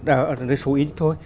ở đây số ít thôi